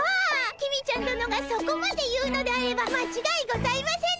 公ちゃん殿がそこまで言うのであればまちがいございませぬ！